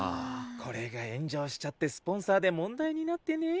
これが炎上しちゃってスポンサーで問題になってね。